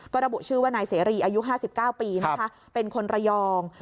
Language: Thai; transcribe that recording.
ก็ระบุชื่อว่านายเสรีอายุ๕๙ปีนะคะเป็นคนระยอง